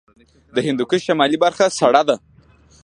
د هندوکش شمالي برخه سړه ده